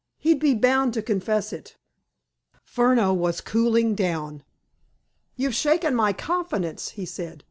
He'd be bound to confess it." Furneaux was cooling down. "You've shaken my confidence," he said.